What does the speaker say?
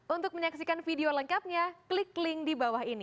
untuk menyaksikan video lengkapnya klik link di bawah ini